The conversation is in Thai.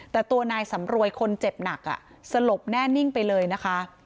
แต่ตัวนายสำรวยคนเจ็บหนักสลบแน่นิ่งไปเลยนะคะ